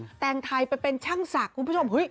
เเตรงไทยเป็นชั่นศักดิ์คุณผู้ชม